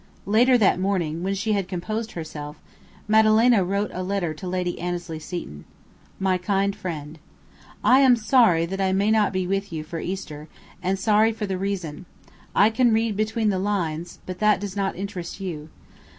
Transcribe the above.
Later that morning, when she had composed herself, Madalena wrote a letter to Lady Annesley Seton: My Kind Friend, I am sorry that I may not be with you for Easter, and sorry for the reason. I can read between the lines! But that does not interest you.